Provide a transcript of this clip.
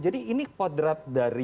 jadi ini kwadrat dari